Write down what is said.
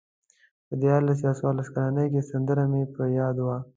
په دیارلس یا څوارلس کلنۍ کې سندره مې په یاد وه.